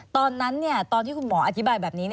ตอนที่คุณหมออธิบายแบบนี้